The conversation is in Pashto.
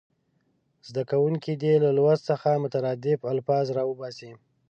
زده کوونکي دې له لوست څخه مترادف الفاظ راوباسي.